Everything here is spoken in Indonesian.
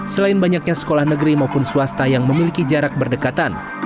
selain banyaknya sekolah negeri maupun swasta yang memiliki jarak berdekatan